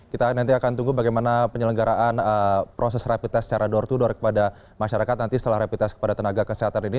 kita nanti akan tunggu bagaimana penyelenggaraan proses rapid test secara door to door kepada masyarakat nanti setelah rapid test kepada tenaga kesehatan ini